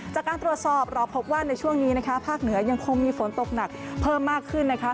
จากการตรวจสอบเราพบว่าในช่วงนี้นะคะภาคเหนือยังคงมีฝนตกหนักเพิ่มมากขึ้นนะคะ